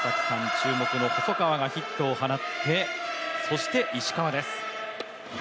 注目の細川がヒットを放ってそして、石川です。